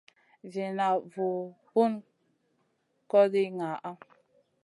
Ziina vu Bun kogndi ngaana.